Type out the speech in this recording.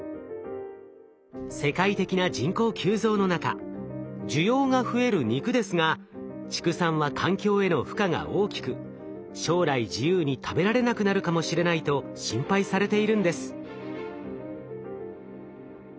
世界的な人口急増の中需要が増える肉ですが畜産は環境への負荷が大きく将来自由に食べられなくなるかもしれないと心配されているんです。